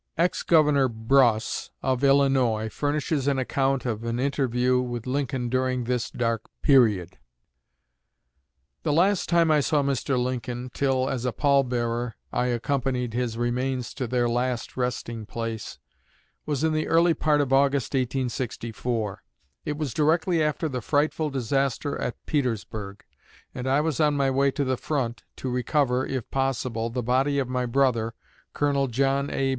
Ex Governor Bross of Illinois furnishes an account of an interview with Lincoln during this dark period: "The last time I saw Mr. Lincoln, till, as a pallbearer, I accompanied his remains to their last resting place, was in the early part of August, 1864. It was directly after the frightful disaster at Petersburg, and I was on my way to the front, to recover, if possible, the body of my brother, Colonel John A.